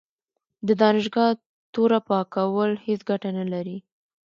د دانشګاه توره پاکول هیڅ ګټه نه لري.